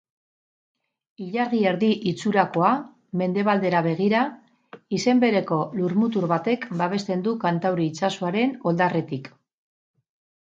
Ilargi-erdi itxurakoa, mendebaldera begira, izen bereko lurmutur batek babesten du Kantauri itsasoaren oldarretik.